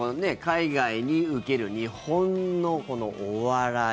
海外にウケる日本のお笑い。